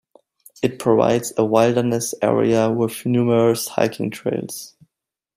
It provides a wilderness area with numerous hiking trails.